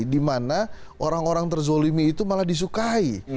dimana orang orang terzolimi itu malah disukai